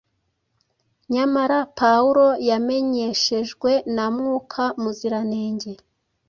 Nyamara, Pawulo yamenyeshejwe na Mwuka Muziranenge